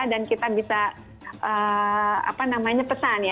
dan kita bisa apa namanya pesan ya